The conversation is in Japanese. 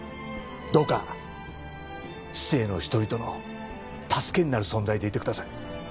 どうか市井の人々の助けになる存在でいてください。